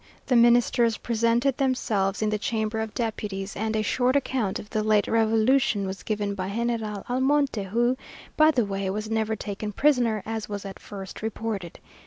The Ministers presented themselves in the Chamber of Deputies, and a short account of the late revolution was given by General Almonte, who, by the way, was never taken prisoner, as was at first reported.